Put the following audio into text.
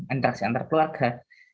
interaksi antar keluarga